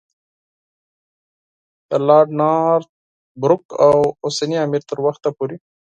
تر لارډ نارت بروک او اوسني امیر تر وخته پورې.